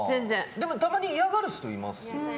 たまに嫌がる人いますよね。